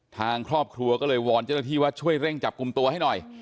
ทางครอบครัวก็เลยวอนเจ้าหน้าที่ว่าช่วยเร่งจับกลุ่มตัวให้หน่อย